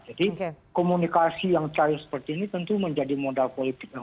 jadi komunikasi yang cari seperti ini tentu menjadi catatan yang hitam